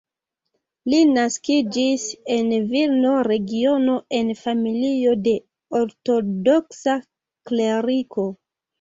Li naskiĝis en Vilno-regiono en familio de ortodoksa kleriko.